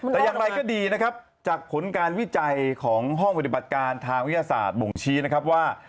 แต่อย่างไรก็ดีนะครับจากผลการวิจัยของห้องปฏิบัติการทางวิทยาศาสตร์บ่งชี้นะครับว่า